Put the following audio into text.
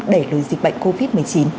để lùi dịch bệnh covid một mươi chín